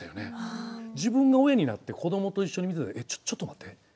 自分が親になってこどもと一緒に見た時「えっちょちょっと待って。